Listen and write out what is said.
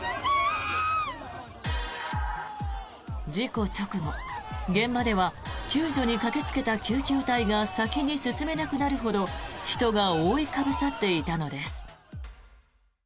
事故直後、現場では救助に駆けつけた救急隊が先に進めなくなるほど人が覆いかぶさっていたのです。